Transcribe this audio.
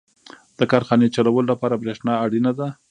• د کارخانې چلولو لپاره برېښنا اړینه ده.